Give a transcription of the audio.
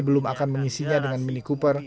belum akan mengisinya dengan mini cooper